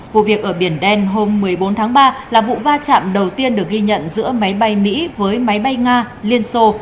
vụ việc ở biển đen hôm một mươi bốn tháng ba là vụ va chạm đầu tiên được ghi nhận giữa máy bay mỹ với máy bay nga liên xô